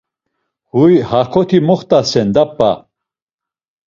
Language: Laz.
Huy hakoti moxt̆asen da p̌a!